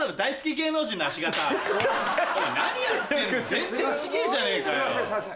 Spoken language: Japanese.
全然違ぇじゃねえかよ。